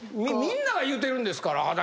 みんなが言うてるんですから。